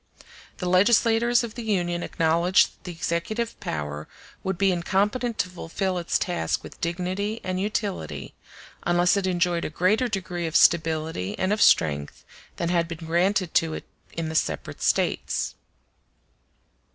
The legislators of the Union acknowledged that the executive power would be incompetent to fulfil its task with dignity and utility, unless it enjoyed a greater degree of stability and of strength than had been granted to it in the separate States.